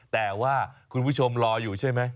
แต่ว่าคุณผู้ชมรออยู่ใช่ไหม